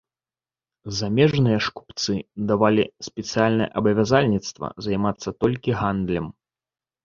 Замежныя ж купцы давалі спецыяльнае абавязацельства займацца толькі гандлем.